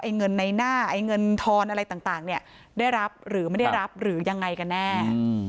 เงินในหน้าไอ้เงินทอนอะไรต่างเนี่ยได้รับหรือไม่ได้รับหรือยังไงกันแน่